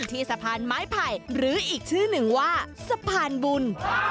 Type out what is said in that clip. ที่สะพานไม้ไผ่หรืออีกชื่อหนึ่งว่าสะพานบุญ